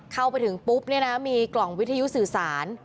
เข้าไปถึงปุ๊บเนี่ยนะมีกล่องวิทยุสื่อสาร